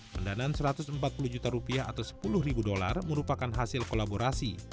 pendanaan satu ratus empat puluh juta rupiah atau sepuluh ribu dolar merupakan hasil kolaborasi